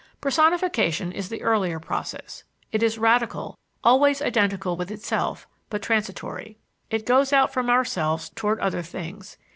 Personification is the earlier process. It is radical, always identical with itself, but transitory. It goes out from ourselves toward other things.